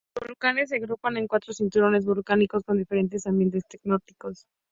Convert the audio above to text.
Los volcanes se agrupan en cuatro cinturones volcánicos con diferentes ambientes tectónicos.